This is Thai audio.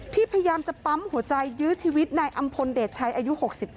พยายามจะปั๊มหัวใจยื้อชีวิตนายอำพลเดชชัยอายุ๖๙